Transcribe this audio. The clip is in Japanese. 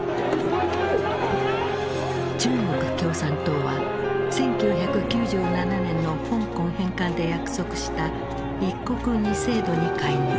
中国共産党は１９９７年の香港返還で約束した「一国二制度」に介入